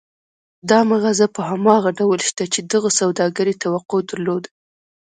دا مغازه په هماغه ډول شته چې دغه سوداګر يې توقع درلوده.